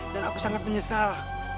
dan aku sangat menyesal